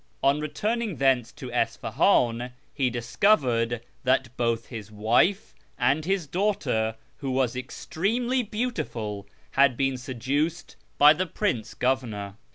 On returning thence to Isfahan he dis covered that both his wife and his daughter (who was extremely beautiful) had been seduced by the prince governor.